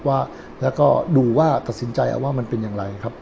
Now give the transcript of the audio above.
ว่าแล้วก็ดูว่าตัดสินใจเอาว่ามันเป็นอย่างไรครับ